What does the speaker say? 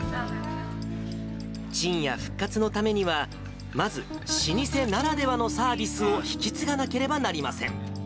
ちんや復活のためには、まず、老舗ならではのサービスを引き継がなければなりません。